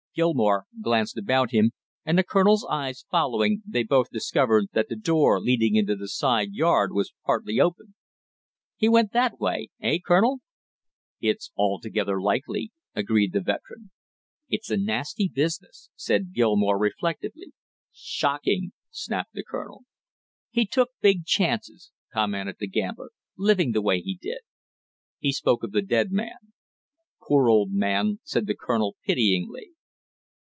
Gilmore glanced about him, and the colonel's eyes following, they both discovered that the door leading into the side yard was partly open. "He went that way, eh, Colonel?" "It's altogether likely," agreed the veteran. "It's a nasty business!" said Gilmore reflectively. "Shocking!" snapped the colonel. "He took big chances," commented the gambler, "living the way he did." He spoke of the dead man. "Poor old man!" said the colonel pityingly.